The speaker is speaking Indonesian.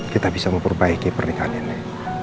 kita bisa memperbaiki pernikahan ini